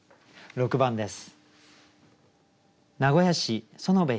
６番です。